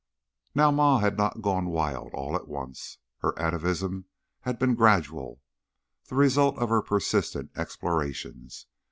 Now Ma had not gone wild all at once; her atavism had been gradual the result of her persistent explorations.